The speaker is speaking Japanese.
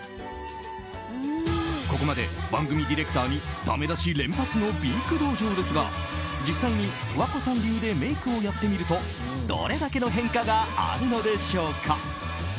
ここまで番組ディレクターにだめ出し連発の美育道場ですが実際に十和子さん流でメイクをやってみるとどれだけの変化があるのでしょうか。